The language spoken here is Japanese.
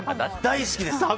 大好きです。